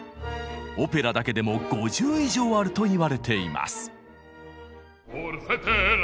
オペラだけでも５０以上あるといわれています。